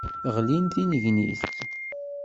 Ɣlin d tinnegnit.